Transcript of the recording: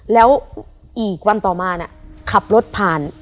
แล้วอีกวันต่อมาขับรถผ่าน